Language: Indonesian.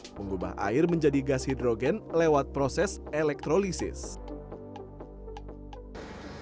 mengubah air menjadi gas hidrogen lewat proses elektrolisis